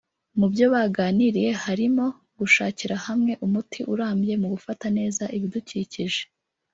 Mu byo baganiriye harimo gushakira hamwe umuti urambye mu gufata neza ibidukikije